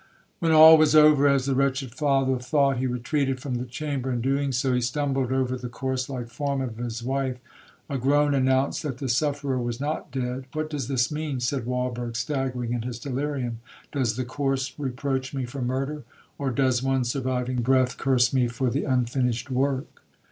'When all was over, as the wretched father thought, he retreated from the chamber. In doing so, he stumbled over the corse like form of his wife.—A groan announced that the sufferer was not dead. 'What does this mean?' said Walberg, staggering in his delirium,—'does the corse reproach me for murder?—or does one surviving breath curse me for the unfinished work?'